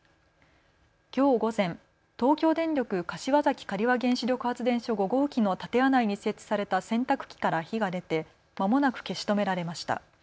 きょう午前、東京電力柏崎刈羽原子力発電所５号機の建屋内に設置された洗濯機から火が出てまもなく消し止められました。